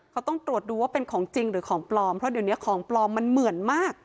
เขาต้องตรวจดูว่าเป็นของจริงหรือของปลอมเพราะเดี๋ยวนี้ของปลอมมันเหมือนมาก